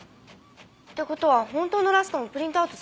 って事は本当のラストもプリントアウトされてたんだ。